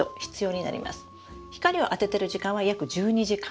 光をあててる時間は約１２時間。